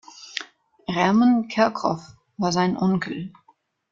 Hermann Kerckhoff war sein Onkel.